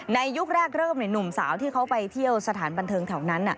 ยุคแรกเริ่มหนุ่มสาวที่เขาไปเที่ยวสถานบันเทิงแถวนั้น